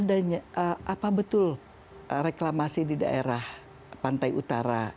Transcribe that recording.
apa betul reklamasi di daerah pantai utara